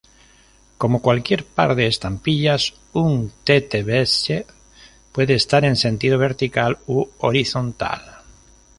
Como cualquier par de estampillas, un "tête-bêche" puede estar en sentido vertical u horizontal.